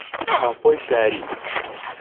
تاپۆی شاری